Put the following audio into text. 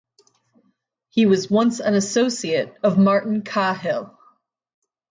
He was once an associate of Martin Cahill.